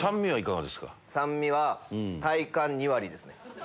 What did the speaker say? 酸味は体感２割ですね。